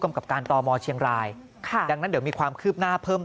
กับการตมเชียงรายค่ะดังนั้นเดี๋ยวมีความคืบหน้าเพิ่ม